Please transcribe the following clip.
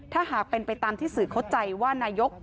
ถ้าหากเป็นไปตามที่สื่อเข้าใจว่านายก